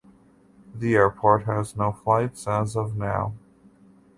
The airport has no flights as of now.